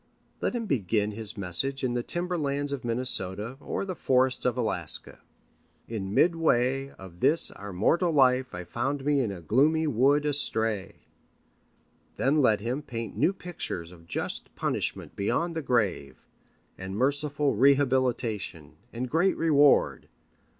Let him begin his message in the timber lands of Minnesota or the forests of Alaska. "In midway of this our mortal life I found me in a gloomy wood astray." Then let him paint new pictures of just punishment beyond the grave, and merciful rehabilitation and great reward.